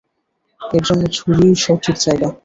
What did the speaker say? এরজন্য ঝুড়িই সঠিক জায়গা।